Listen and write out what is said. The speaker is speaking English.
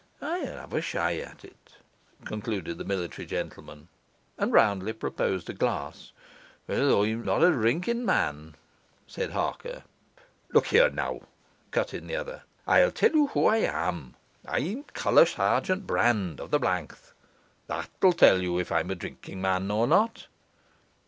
'I'll have a shy at it,' concluded the military gentleman, and roundly proposed a glass. 'Well, I'm not a drinking man,' said Harker. 'Look here, now,' cut in the other, 'I'll tell you who I am: I'm Colour Sergeant Brand of the Blankth. That'll tell you if I'm a drinking man or not.